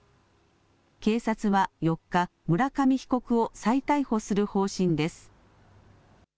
警察は４日、村上被告を再逮捕する方針です。